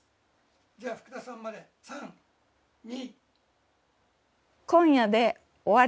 では福田さんまで３２。